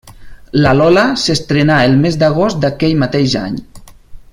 La Lola s'estrenà el mes d'agost d'aquell mateix any.